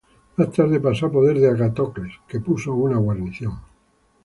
Más tarde pasó a poder de Agatocles que puso una guarnición.